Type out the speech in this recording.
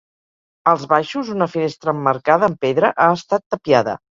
Als baixos, una finestra emmarcada amb pedra ha estat tapiada.